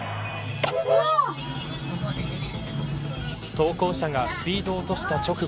投稿者がスピードを落とした直後